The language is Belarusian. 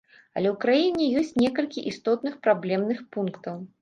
Але ў краіне ёсць некалькі істотных праблемных пунктаў.